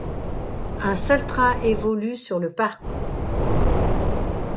Un seul train évolue sur le parcours.